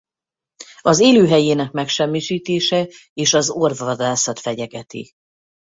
Az élőhelyének megsemmisítése és az orvvadászat fenyegeti.